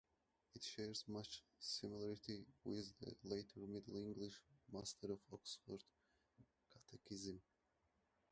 It shares much similarity with the later Middle English "Master of Oxford Catechism".